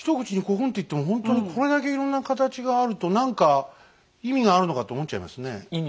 ほんとにこれだけいろんな形があると何か意味があるのかと思っちゃいますね。